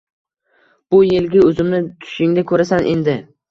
Bu yilgi uzumni tushingda ko`rasan, endi